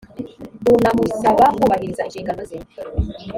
runamusaba kubahiriza inshingano ze